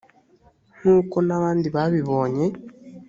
nk uko n abandi babibonye